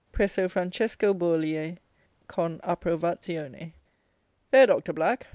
Presso Francesco Bourlie. Con Approvazione. There, Doctor Black.